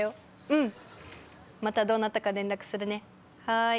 うんまたどうなったか連絡するねはい。